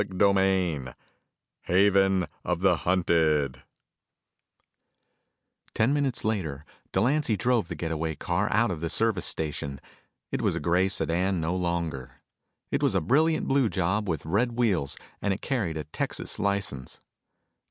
CHAPTER III Haven Of The Hunted Ten minutes later, Delancy drove the get away car out of the service station. It was a gray sedan no longer. It was a brilliant blue job with red wheels, and it carried a Texas license.